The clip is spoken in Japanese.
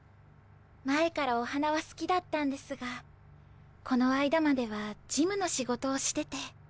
前からお花は好きだったんですがこの間までは事務の仕事をしてて。